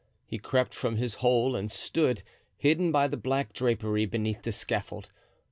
He crept from his hole and stood, hidden by the black drapery, beneath the scaffold.